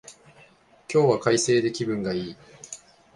今日は快晴で気分がいい